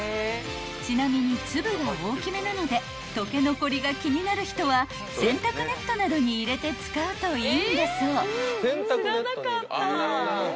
［ちなみに粒が大きめなので溶け残りが気になる人は洗濯ネットなどに入れて使うといいんだそう］